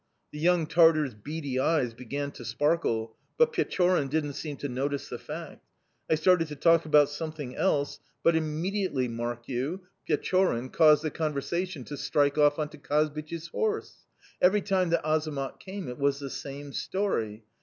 "The young Tartar's beady eyes began to sparkle, but Pechorin didn't seem to notice the fact. I started to talk about something else, but immediately, mark you, Pechorin caused the conversation to strike off on to Kazbich's horse. Every time that Azamat came it was the same story.